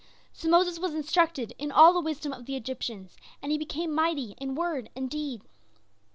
So Moses was instructed in all the wisdom of the Egyptians, and he became mighty in word and deed.